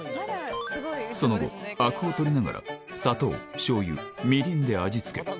その後、あくを取りながら、砂糖、しょうゆ、みりんで味付け。